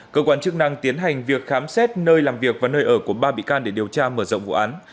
cơ quan chức năng tiến hành việc khám xét nơi làm việc và nơi ở của ba bị can để điều tra mở rộng vụ án